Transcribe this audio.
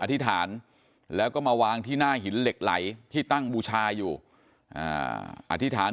อธิษฐานแล้วก็มาวางที่หน้าหินเหล็กไหลที่ตั้งบูชาอยู่อธิษฐาน